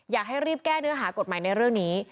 อยากให้รีบแก้เนื้อหากฎหมายในเรื่องนี้